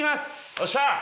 よっしゃー！